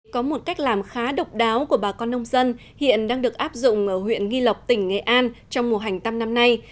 có một cách làm khá độc đáo của bà con nông dân hiện đang được áp dụng ở huyện nghi lộc tỉnh nghệ an trong mùa hành tăm năm nay